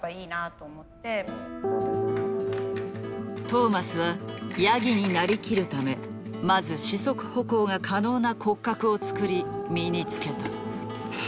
トーマスはヤギになりきるためまず四足歩行が可能な骨格を作り身に着けた。